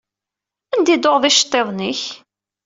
Anda i d-tuɣeḍ iceṭṭiḍen-ik?